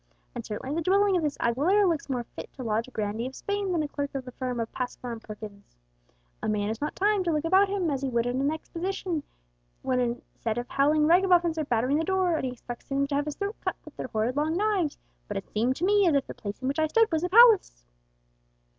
And certainly the dwelling of this Aguilera looks more fit to lodge a grandee of Spain than a clerk of the firm of Passmore and Perkins. A man has not time to look about him as he would at an exhibition when a set of howling ragamuffins are battering the door, and he expects soon to have his throat cut with their horrid long knives, but it seemed to me as if the place in which I stood was a palace.